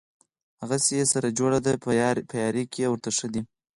هغسې یې سره جوړه ده په یاري کې ورته ښه دي.